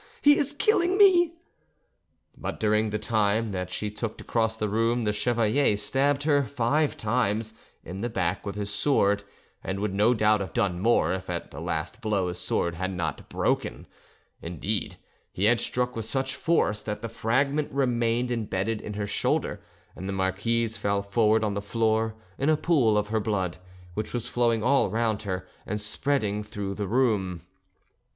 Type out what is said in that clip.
He is killing me!" But during the time that she took to cross the room the chevalier stabbed her five times in the back with his sword, and would no doubt have done more, if at the last blow his sword had not broken; indeed, he had struck with such force that the fragment remained embedded in her shoulder, and the marquise fell forward on the floor, in a pool of her blood, which was flowing all round her and spreading through the room.